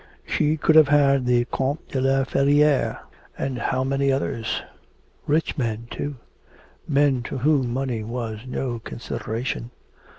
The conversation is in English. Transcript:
She could have had the Comte de la Ferriere, and how many others? rich men, too men to whom money was no consideration.